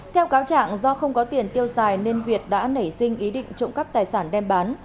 theo cáo trạng do không có tiền tiêu xài nên việt đã nảy sinh ý định trộm cắp tài sản đem bán